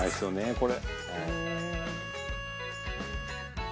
これ。